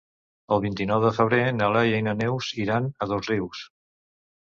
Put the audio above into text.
El vint-i-nou de febrer na Laia i na Neus iran a Dosrius.